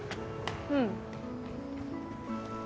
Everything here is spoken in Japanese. うん。